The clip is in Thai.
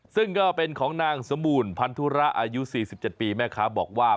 ซึ่งก็เป็นของนางสมบูรณ์พันธุระอายุ๔๗ปีแม่ค้าบอกว่า